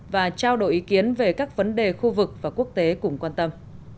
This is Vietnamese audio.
và trao đổi ý kiến về các vấn đề khu vực và quốc tế cùng quan tâm